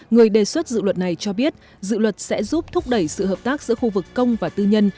người đề xuất dự luật này cho biết dự luật sẽ giúp thúc đẩy sự hợp tác giữa khu vực công và tư nhân